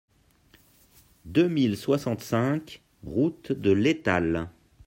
deux mille soixante-cinq route de l'Étale